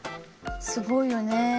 すごいよね。